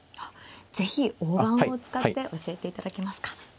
是非大盤を使って教えていただけますか。